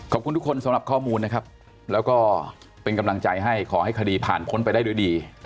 ขอบคุณทุกคนสำหรับข้อมูลนะครับแล้วก็เป็นกำลังใจให้ขอให้คดีผ่านพ้นไปได้ด้วยดี